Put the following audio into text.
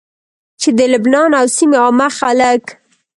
چې د لبنان او سيمي عامه خلک